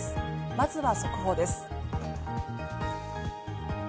まずは速報です。